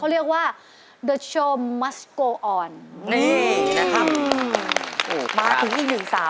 เนี่ยยังออกเป็นสตริง